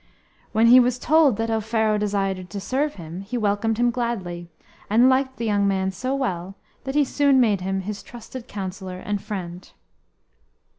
When he was told that Offero desired to serve him, he welcomed him gladly, and liked the young man so well that he soon made him his trusted counsellor and friend.